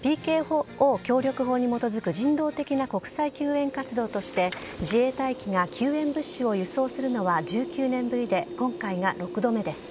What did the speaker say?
ＰＫＯ協力法に基づく人道的な国際救援活動として自衛隊機が救援物資を輸送するのは１９年ぶりで、今回が６度目です。